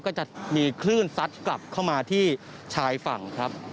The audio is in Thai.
ก็จะมีคลื่นซัดกลับเข้ามาที่ชายฝั่งครับ